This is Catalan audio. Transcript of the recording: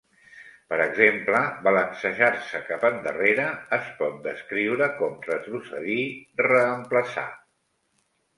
Per exemple, "balancejar-se cap endarrere" es pot descriure com "retrocedir, reemplaçar".